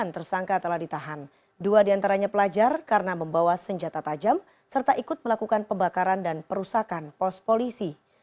sembilan tersangka telah ditahan dua diantaranya pelajar karena membawa senjata tajam serta ikut melakukan pembakaran dan perusakan pos polisi